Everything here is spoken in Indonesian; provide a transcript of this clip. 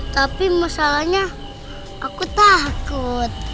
tapi masalahnya aku takut